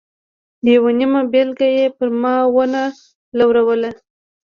یوه نیمه بېلګه یې پر ما و نه لوروله.